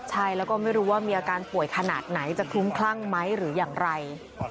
ใช่แล้วก็ไม่รู้ว่ามีอาการป่วยขนาดไหนจะคลุ้มคลั่งไหมหรืออย่างไร